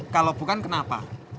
kalau bukan kenapa